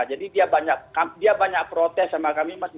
jadi dia banyak protes sama kami